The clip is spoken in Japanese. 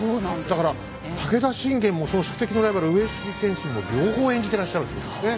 だから武田信玄もその宿敵のライバル上杉謙信も両方演じてらっしゃるということですね。